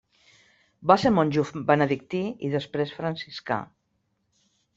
Va ser monjo benedictí i després franciscà.